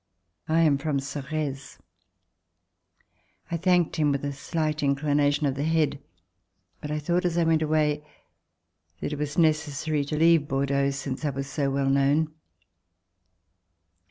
I am from Soreze." I thanked him with a slight inclination of the head, but I thought as I went away that it was necessary to leave Bordeaux since I was so well known.